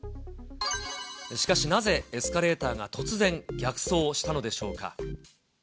しかしなぜ、エスカレーターが突然、逆走したのでしょうか。